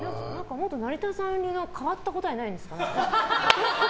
もっと成田さん流の変わった答えないんですか？